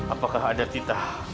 apakah ada titah